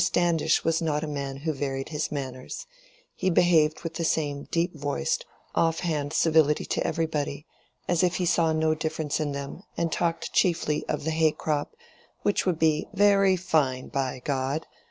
Standish was not a man who varied his manners: he behaved with the same deep voiced, off hand civility to everybody, as if he saw no difference in them, and talked chiefly of the hay crop, which would be "very fine, by God!"